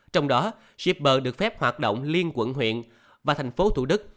trong đó shipper được phép hoạt động liên quận huyện và thành phố thủ đức